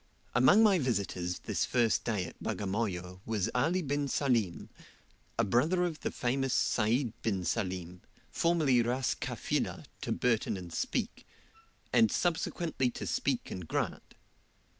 Among my visitors this first day at Bagamoyo was Ali bin Salim, a brother of the famous Sayd bin Salim, formerly Ras Kafilah to Burton and Speke, and subsequently to Speke and Grant.